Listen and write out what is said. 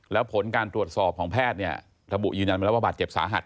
แล้วผลการตรวจสอบของแพทย์เนี่ยระบุยืนยันมาแล้วว่าบาดเจ็บสาหัส